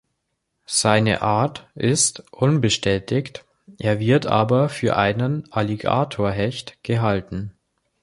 Seine Art ist unbestätigt, er wird aber für einen Alligatorhecht gehalten.